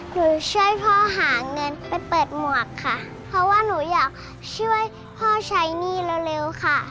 หนูช่วยพ่อหาเงินไปเปิดหมวกค่ะเพราะว่าหนูอยากช่วยพ่อใช้หนี้เร็วค่ะ